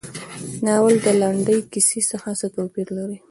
ناول له لنډې کیسې څخه څه توپیر لري.